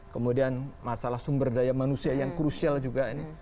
kemudian masalah sumber daya manusia yang krusial juga ini